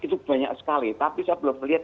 itu banyak sekali tapi saya belum melihat